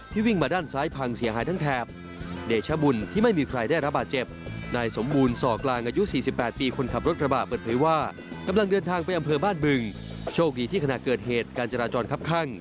ที่วิ่งมาด้านซ้ายพังเสียหายทั้งแถบ